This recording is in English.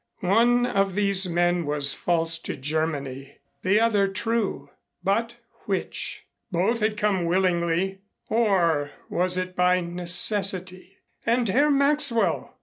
One of these men was false to Germany, the other true, but which? Both had come willingly, or was it by necessity? And Herr Maxwell!